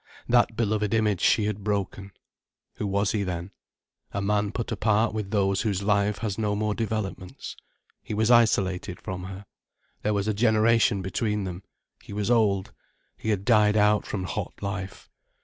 That beloved image she had broken. Who was he then? A man put apart with those whose life has no more developments. He was isolated from her. There was a generation between them, he was old, he had died out from hot life.